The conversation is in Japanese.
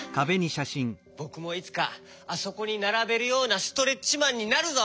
ぼくもいつかあそこにならべるようなストレッチマンになるぞ。